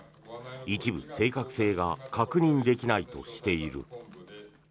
一部、正確性が確認できないとしている。